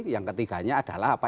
yang ketiganya adalah apa